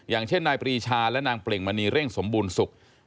อย่างเช่นนายปรีชาและนางเปล่งมณีเร่งสมบูรณ์สุข